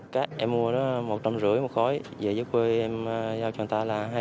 cát em mua nó một trăm năm mươi một khối về giấc quê em giao cho người ta là hai trăm một mươi một khối